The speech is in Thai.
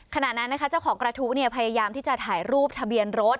ขณะนั้นนะคะเจ้าของกระทู้พยายามที่จะถ่ายรูปทะเบียนรถ